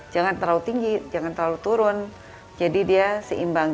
jangan terlalu tinggi jangan terlalu turun jadi dia seimbang